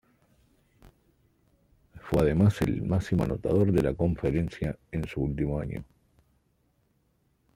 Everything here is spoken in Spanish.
Fue además el máximo anotador de la conferencia en su último año.